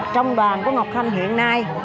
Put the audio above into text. trong đoàn của ngọc khanh hiện nay